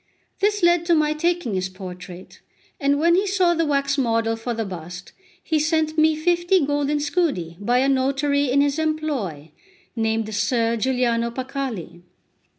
This led to my taking his portrait; and when he saw the wax model for the bust, he sent me fifty golden scudi by a notary in his employ, named Ser Giuliano Paccalli.